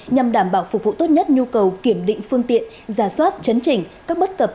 nhằm đảm bảo phục vụ tốt nhất nhu cầu kiểm định phương tiện giả soát chấn chỉnh các bất cập